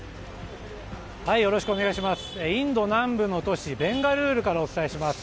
インド南部の都市ベンガルールからお伝えします。